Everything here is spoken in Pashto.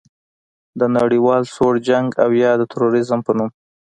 د نړیوال سوړ جنګ او یا د تروریزم په نوم